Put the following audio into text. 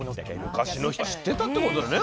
昔の人は知ってたってことだよね